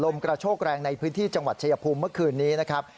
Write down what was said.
กระโชกแรงในพื้นที่จังหวัดชายภูมิเมื่อคืนนี้นะครับ